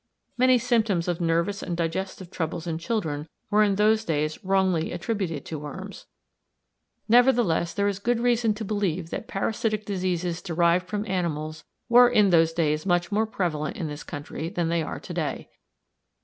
Many symptoms of nervous and digestive troubles in children were in those days wrongly attributed to worms. Nevertheless, there is good reason to believe that parasitic diseases derived from animals were in those days much more prevalent in this country than they are to day.